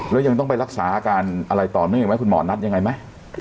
แล้วยังต้องไปรักษาอาการอะไรต่อเนื่องอีกไหมคุณหมอนัดยังไงไหม